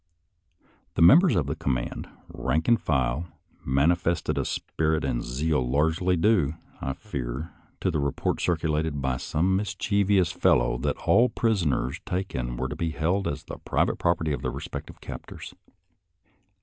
The members of the command, rank and file, manifested a spirit and zeal largely due, I fear, to the report circulated by some mischievous 30 SOLDIER'S LETTERS TO CHARMING NELLIE fellow that all prisoners taken were to be held as the private property of their respective cap tors.